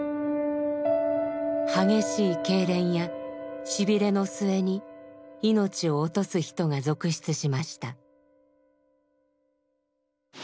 激しいけいれんやしびれの末に命を落とす人が続出しました。